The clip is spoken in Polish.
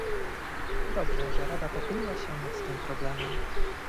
Dobrze, że Rada pochyliła się nad tym problemem